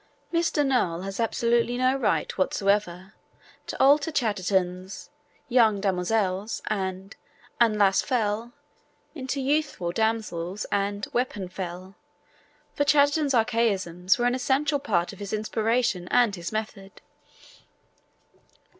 Mr. Noel has absolutely no right whatsoever to alter Chatterton's' yonge damoyselles' and 'anlace fell' into 'youthful damsels' and 'weapon fell,' for Chatterton's archaisms were an essential part of his inspiration and his method.